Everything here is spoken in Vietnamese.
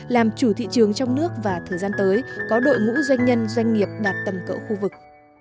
làm chủ thị trường trong nước và thời gian tới có đội ngũ doanh nhân doanh nghiệp đạt tầm cỡ khu vực